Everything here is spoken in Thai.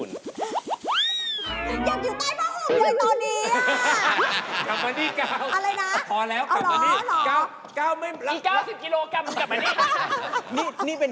นี่เป็นก้าวที่กินหมูกระทะไปแล้ว